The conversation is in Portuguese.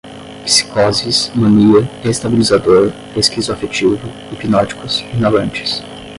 psicoses, mania, estabilizador, esquizoafetivo, hipnóticos, inalantes